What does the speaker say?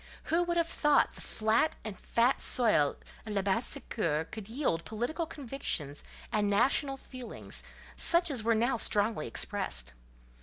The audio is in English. Who would have thought the flat and fat soil of Labassecour could yield political convictions and national feelings, such as were now strongly expressed?